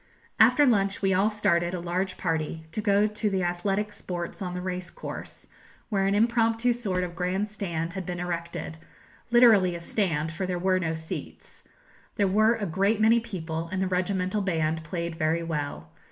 After lunch we all started a large party to go to the athletic sports on the racecourse, where an impromptu sort of grand stand had been erected literally a stand, for there were no seats. There were a great many people, and the regimental band played very well.